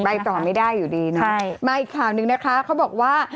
ไปต่อไม่ได้อยู่ดีนะใช่มาอีกข่าวหนึ่งนะคะเขาบอกว่า